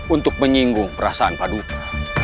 untuk menyinggung perasaan paduka